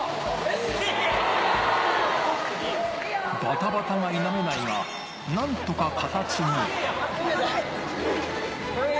バタバタが否めないが、何とか形に。